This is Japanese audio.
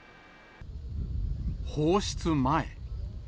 放出前。